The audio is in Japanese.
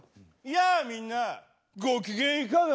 やあみんなご機嫌いかが？